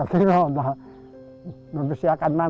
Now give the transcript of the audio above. kalau bersih paksa sulit